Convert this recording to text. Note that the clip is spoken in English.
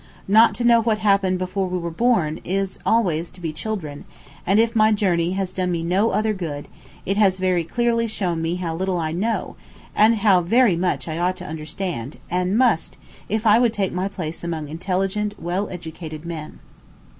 Not to know what happened before we were born, is always to be children; and if my journey has done me no other good, it has very clearly shown me how little I know, and how very much I ought to understand, and must, if I would take my place among intelligent, well educated men.